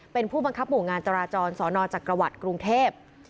เป็นผู้บังคับหมู่งานจราจรสนจักรวรรดิกรุงเทพ